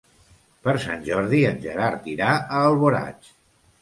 Per Sant Jordi en Gerard irà a Alboraig.